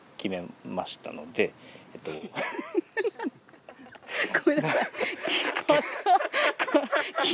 ごめんなさい。